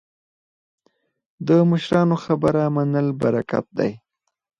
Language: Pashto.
د مشرانو خبره منل برکت دی